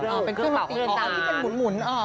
ใช่มันเป็นเครื่องเปล่าของเขาค่ะ